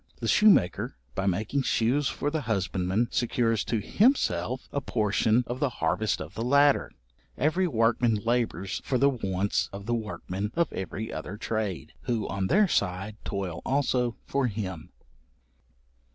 The shoemaker, by making shoes for the husbandman, secures to himself a portion of the harvest of the latter. Every workman labours for the wants of the workmen of every other trade, who, on their side, toil also for him.